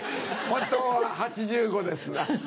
本当は８５です。